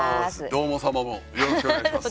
どーも様もよろしくお願いします。